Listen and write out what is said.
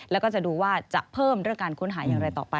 แล้วก็จะดูว่าจะเพิ่มเรื่องการค้นหาอย่างไรต่อไป